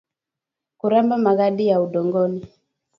kuramba magadi ya udongoni